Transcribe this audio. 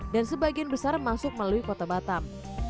dan sebagian besar masuk melalui kota batam